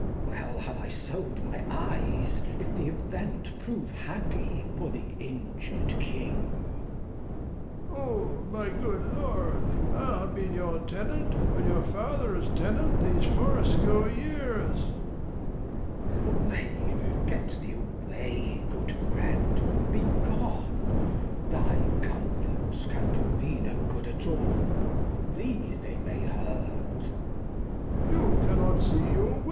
Well have I sold my Eyes, if the Event Prove happy for the injur'd King. Old M. O, my good Lord, I have been your Tenant, and your Father's Tenant these Fourscore Years. Glost. Away, get thee away, good Friend be gone, Q 226 The History of [Act iv Thy Comforts can do me no good at all. Thee they may hurt. Old M. You cannot see your Way.